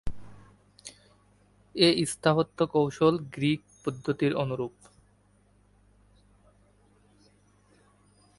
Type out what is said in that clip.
এ স্থাপত্য কৌশল গ্রীক পদ্ধতির অনুরূপ।